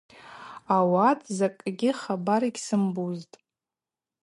Ауат закӏгьи хабар йгьсымбузтӏ.